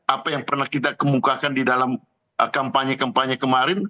apa yang pernah kita kemukakan di dalam kampanye kampanye kemarin